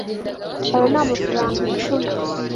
ayo ni amafaranga icumi